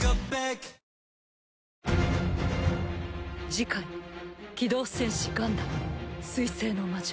次回「機動戦士ガンダム水星の魔女」